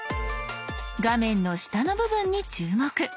画面の下の部分に注目。